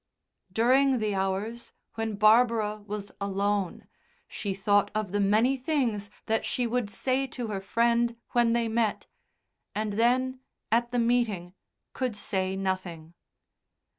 During the hours when Barbara was alone she thought of the many things that she would say to her friend when they met, and then at the meeting could say nothing.